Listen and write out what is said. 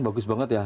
bagus banget ya